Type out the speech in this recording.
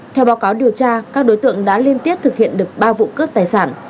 theo báo cáo điều tra các đối tượng đã liên tiếp thực hiện được ba vụ cướp tài sản